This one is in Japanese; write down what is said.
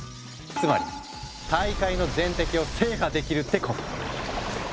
つまり大海の全滴を制覇できるってこと。